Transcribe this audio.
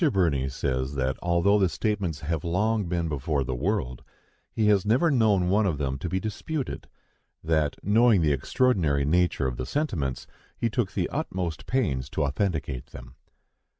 Birney says that, although the statements have long been before the world, he has never known one of them to be disputed; that, knowing the extraordinary nature of the sentiments, he took the utmost pains to authenticate them.